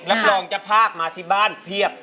แล้วลองจะพากมาที่บ้านเพียบ